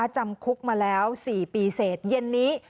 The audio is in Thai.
จำคุกมาแล้ว๔ปีเสร็จเย็นนี้